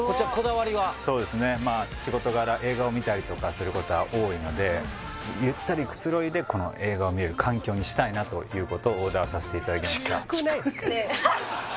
そうですねまあ仕事柄映画を見たりとかすることは多いのでゆったりくつろいでこの映画を見る環境にしたいなということをオーダーさせていただきましたサイズでかいっす